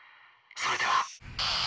それでは」。